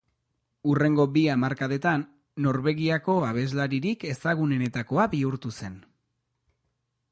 Hurrengo bi hamarkadetan Norvegiako abeslaririk ezagunenetakoa bihurtu zen.